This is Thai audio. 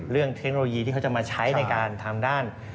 เทคโนโลยีที่เขาจะมาใช้ในการทำด้าน